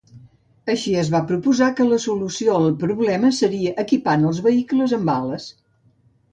Així es va proposar que la solució al problema seria equipant els vehicles amb ales.